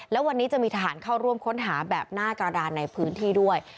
แล้ววันนี้จะมีทหารเข้าร่วมค้นหาแบบหน้ากระดานในพื้นที่ด้วย